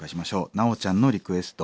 ナオちゃんのリクエスト